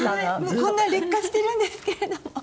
もうこんな劣化してるんですけれども。